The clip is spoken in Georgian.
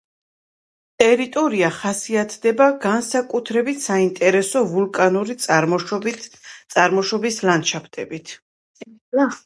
ტერიტორია ხასიათდება განსაკუთრებით საინტერესო ვულკანური წარმოშობის ლანდშაფტებით.